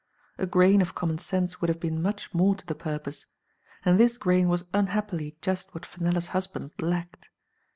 A grain of com mon sense would have been much more to the purpose, and this grain was unhappily just what Fenella's husband lacked.